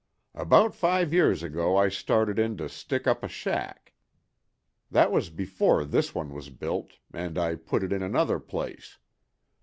"About five years ago I started in to stick up a shack. That was before this one was built, and I put it in another place.